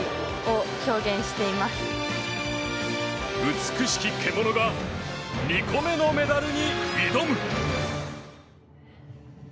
美しき獣が２個目のメダルに挑む！